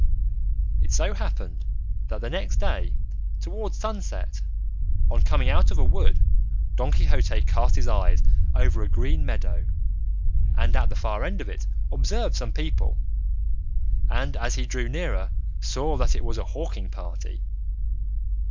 It so happened that the next day towards sunset, on coming out of a wood, Don Quixote cast his eyes over a green meadow, and at the far end of it observed some people, and as he drew nearer saw that it was a hawking party.